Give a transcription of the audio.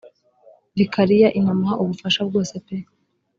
vikariya inamuha ubufasha bwose pe